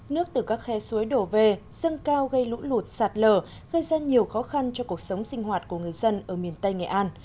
nước từ các khe suối đổ về dâng cao gây lũ lụt sạt lở gây ra nhiều khó khăn cho cuộc sống sinh hoạt của người dân ở miền tây nghệ an